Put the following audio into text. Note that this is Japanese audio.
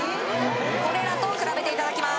これらと比べていただきます